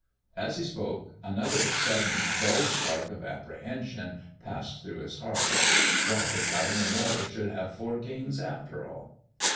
As he spoke another sudden, dull spark of apprehension passed through his heart. What if Latimer Moire should have four kings, after all?